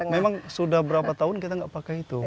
memang sudah berapa tahun kita nggak pakai itu